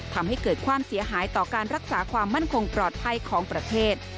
ทำให้เกิดความเสียหายต่อการรักษาความมั่นคงปลอดภัยของประเทศ